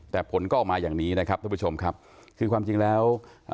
แต่ผลก็ออกมาอย่างนี้นะครับท่านผู้ชมครับคือความจริงแล้วอ่า